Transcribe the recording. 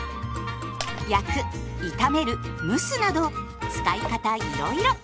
焼く炒める蒸すなど使い方いろいろ。